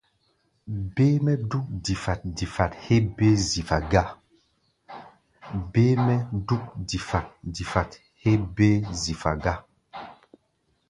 Béé-mɛ́ dúk difat-difat héé béé zifa gá.